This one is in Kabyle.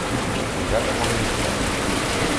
Iban Tom yusem.